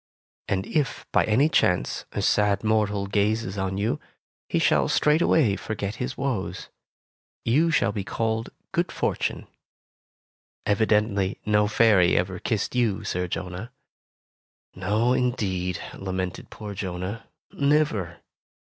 And if, by any chance, a sad mortal gazes on you, he shall straightway forget his woes. You shall be called Good Fortune.' Evi dently, no fairy ever kissed you. Sir Jonah." "No, indeed," lamented poor Jonah, "never!"